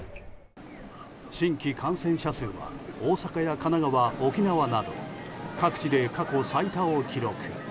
新規感染者数は大阪や神奈川、沖縄など各地で過去最多を記録。